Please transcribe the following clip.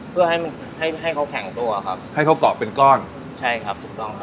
เพื่อให้มันให้ให้เขาแข็งตัวครับให้เขาเกาะเป็นก้อนใช่ครับถูกต้องครับ